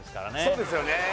そうですよね